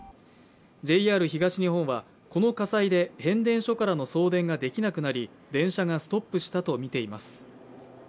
ＪＲ東日本はこの火災で変電所からの送電ができなくなり電車がストップしたとみています。